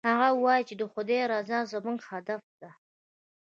هغه وایي چې د خدای رضا زموږ هدف ده